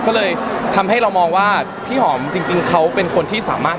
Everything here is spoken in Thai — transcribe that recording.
ก็เลยทำให้เรามองว่าพี่หอมจริงเขาเป็นคนที่สามารถ